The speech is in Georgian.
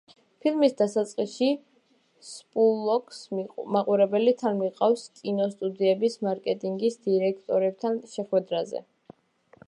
ფილმის დასაწყისში სპურლოკს მაყურებელი თან მიჰყავს კინოსტუდიების მარკეტინგის დირექტორებთან შეხვედრაზე.